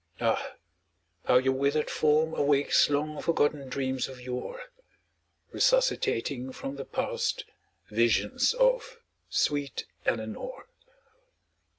Ah, how your withered form awakes Long forgotten dreams of yore Resuscitating from the past Visions of sweet Eleanor!